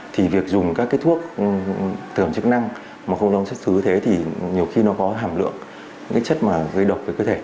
thì việc dùng các cái thuốc tưởng chức năng mà không rõ xuất xứ thế thì nhiều khi nó có hàm lượng những cái chất mà gây độc với cơ thể